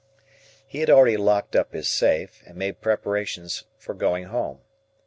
He had already locked up his safe, and made preparations for going home.